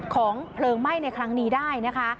เพลิงไหม้ในครั้งนี้ได้นะคะ